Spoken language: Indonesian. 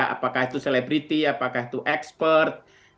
apakah itu selebriti apakah itu expert